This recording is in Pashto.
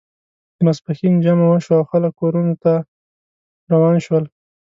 د ماسپښین جمعه وشوه او خلک کورونو ته روان شول.